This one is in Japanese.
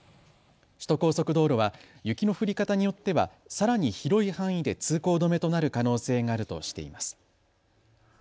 首都高速道路は雪の降り方によっては、さらに広い範囲で通行止めとなる可能性があるとしています。